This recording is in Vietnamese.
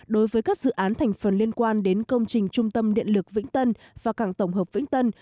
đối với các dự án thành phần liên quan đến công trình trung tâm điện lực vĩnh tân và cảng tổng hợp vĩnh tân